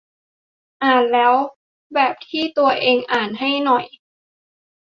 อ่านแล้วเล่าแบบที่ตัวเองอ่านให้หน่อย